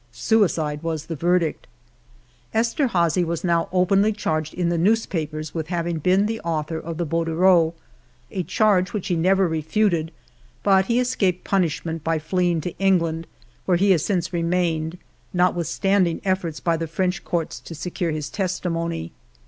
Suicide was the verdict. Esterhazy was now openly charged in the newspapers with hav ing been the author of the bordereau^ a charge which he never refuted, but he escaped punish ment, by fleeing to England, where he has since remained, notwithstanding efforts by the French Courts to secure his testimony.